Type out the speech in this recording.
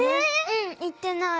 うん行ってない。